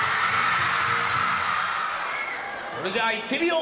それじゃあいってみよう！